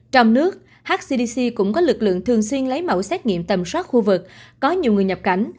trong nước hcdc cũng có lực lượng thường xuyên lấy mẫu xét nghiệm tầm soát khu vực có nhiều người nhập cảnh